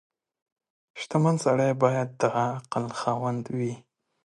• شتمن سړی باید د عقل خاوند وي.